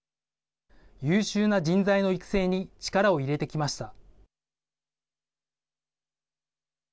優秀な人材の育成に力を入れてきました。